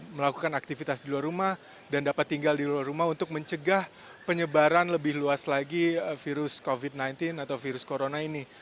melakukan aktivitas di luar rumah dan dapat tinggal di luar rumah untuk mencegah penyebaran lebih luas lagi virus covid sembilan belas atau virus corona ini